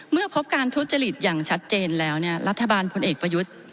เมื่อพบการทุจริตอย่างชัดเจนแล้วรัฐบาลพลเอกประยุทธ์